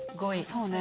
そうね。